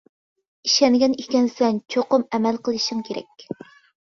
ئىشەنگەن ئىكەنسەن، چوقۇم ئەمەل قىلىشىڭ كېرەك!